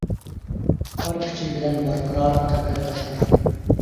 بار كۈچى بىلەن ۋارقىرار قەبرە تاشلار.